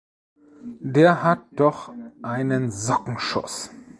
Der hat doch einen Sockenschuß.